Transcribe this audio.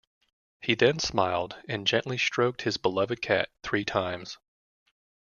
He then smiled and gently stroked his beloved cat three times.